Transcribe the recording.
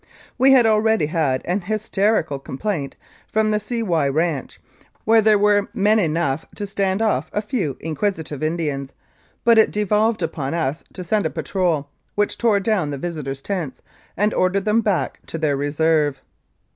We had already had an hysterical complaint from the C.Y. Ranche, where there were men enough to stand off a few inquisitive Indians, but it devolved upon us to send a patrol, which tore down the visitors' tents and ordered them back to their Reserve.